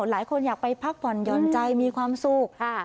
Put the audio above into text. หลายคนอยากไปพักผ่อนหย่อนใจมีความสุข